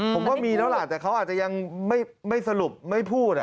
ผมว่ามีแล้วล่ะแต่เขาอาจจะยังไม่สรุปไม่พูด